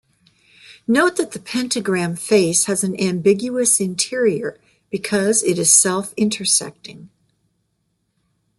Note that the pentagram face has an ambiguous interior because it is self-intersecting.